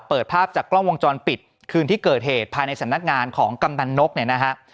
เปิดภาพจากกล้องวงจรปิดคืนที่เกิดเหตุภายในสำนักงานของกำนันนกเนี่ยนะฮะ